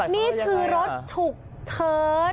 นี่คือรถฉุกเฉิน